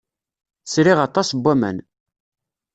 Sriɣ aṭas n waman.